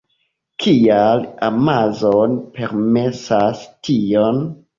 Kial Amazon permesas tion?